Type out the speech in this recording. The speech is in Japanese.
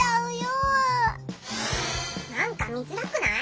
なんか見づらくない？